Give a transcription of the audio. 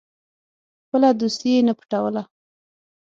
خپله دوستي یې نه پټوله.